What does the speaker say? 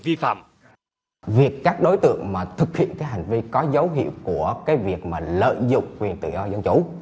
việc các đối tượng thực hiện hành vi có dấu hiệu của việc lợi dụng quyền tự do dân chủ